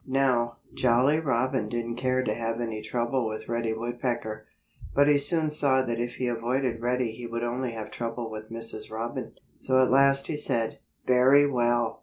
Now, Jolly Robin didn't care to have any trouble with Reddy Woodpecker. But he soon saw that if he avoided Reddy he would only have trouble with Mrs. Robin. So at last he said, "Very well!